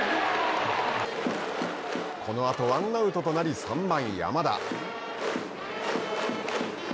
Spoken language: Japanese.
このあと、ワンアウトとなり、３番山田。